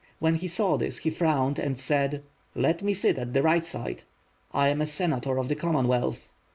When he saw this he frowned and said: "Let me ait at the right side." "I am a senator of the Commonwealth."